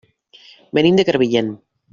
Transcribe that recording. Venim de Crevillent.